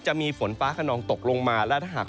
จะมีฝนฟ้าคนองตกลงมา